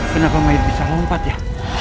kenapa mayat bisa lompat ya